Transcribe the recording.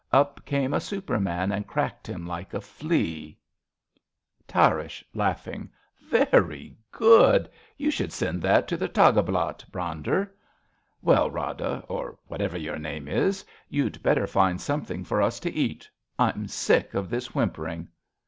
Up came a Superman And cracked him, like a flea. ai RADA Tarrasch {laughing). Very good ! You should send that to the Tageblatt, Brander. Well, Rada, or whatever your name is, you'd better find something for us to eat. I'm sick of this whimpering.